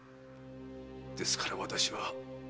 ですから私は。